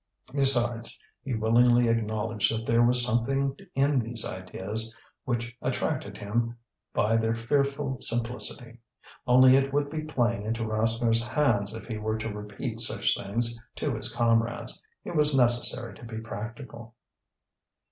Besides, he willingly acknowledged that there was something in these ideas, which attracted him by their fearful simplicity. Only it would be playing into Rasseneur's hands if he were to repeat such things to his comrades. It was necessary to be practical.